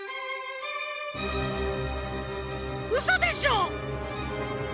うそでしょ！？